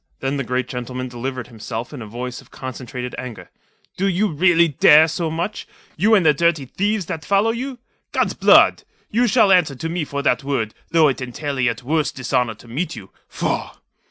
Then the great gentleman delivered himself in a voice of concentrated anger. "Do you really dare so much, you and the dirty thieves that follow you? God's Blood! You shall answer to me for that word, though it entail a yet worse dishonour to meet you. Faugh!"